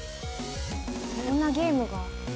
こんなゲームが。